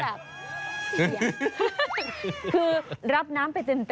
คือรับน้ำไปเต็ม